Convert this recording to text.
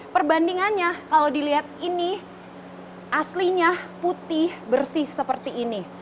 perbandingannya kalau dilihat ini aslinya putih bersih seperti ini